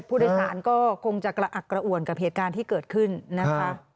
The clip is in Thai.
ผู้โดยสารก็คงจะกระอักกระอ่วนกับเหตุการณ์ที่เกิดขึ้นนะคะ